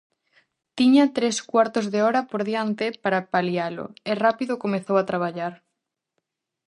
Tiña tres cuartos de hora por diante para palialo, e rápido comezou a traballar.